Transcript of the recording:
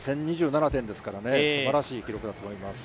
１０２７点ですからね、すばらしい記録だと思います。